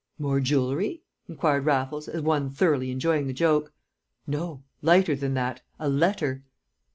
"More jewellery?" inquired Raffles, as one thoroughly enjoying the joke. "No lighter than that a letter!"